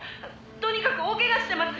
「とにかく大けがしてます。